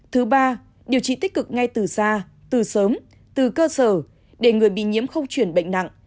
thứ ba điều trị tích cực ngay từ xa từ sớm từ cơ sở để người bị nhiễm không chuyển bệnh nặng